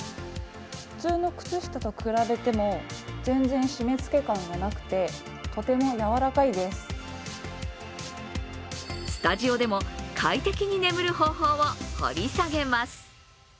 普通の靴下と比べても全然しめ付け感がなくてスタジオでも快適に眠る方法を掘り下げます。